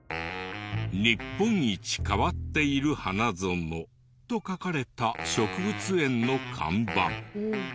「日本一変っている花園」と書かれた植物園の看板。